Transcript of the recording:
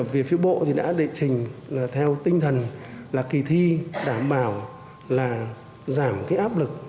về phía bộ thì đã đệ trình là theo tinh thần là kỳ thi đảm bảo là giảm cái áp lực